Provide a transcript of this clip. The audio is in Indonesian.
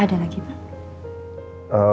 ada lagi pak